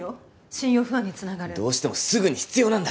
信用不安につながるどうしてもすぐに必要なんだ